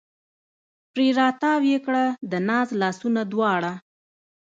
پرې را تاو یې کړه د ناز لاسونه دواړه